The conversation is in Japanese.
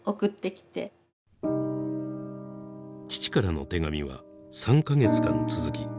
父からの手紙は３か月間続き